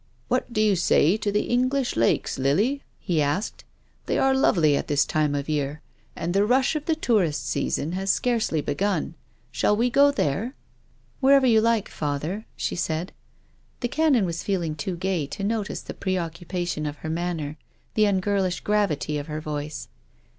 " What do you say to the English Lakes, Lily ?" he asked, "they are lovely at this time of year, and the rush of the tourist season has scarcely begun. Shall we go there ?"" Wherever you like, father," she said. The Canon was feeling too gay to notice the preoccupation of her manner, the ungirlish gravity of her voice.